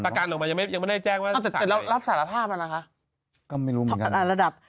ประกันออกมายังไม่ยังไม่ได้แจ้งว่าราฟสารภาพน่ะนะคะก็ไม่รู้เหมือนกัน